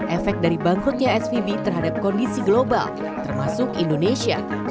efek dari bangkrutnya svb terhadap kondisi global termasuk indonesia